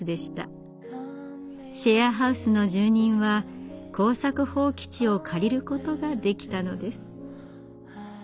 シェアハウスの住人は耕作放棄地を借りることができたのです。